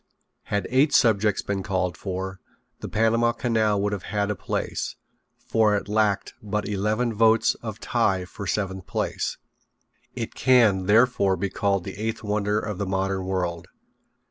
Had eight subjects been called for the Panama Canal would have had a place, for it lacked but eleven votes of tie for seventh place. It can, therefore, be called the eighth wonder of the modern world.